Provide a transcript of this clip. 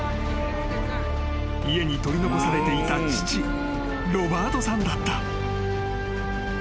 ［家に取り残されていた父ロバートさんだった］